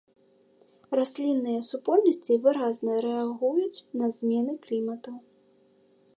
Раслінныя супольнасці выразна рэагуюць на змены клімату.